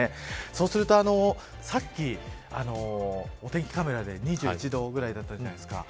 そうするとさっき、お天気カメラで２１度ぐらいだったじゃないですか。